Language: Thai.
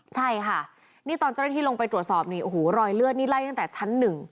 ใช่ค่ะนี่ตอนเจ้าหน้าที่ลงไปตรวจสอบนี่โอ้โหรอยเลือดนี่ไล่ตั้งแต่ชั้น๑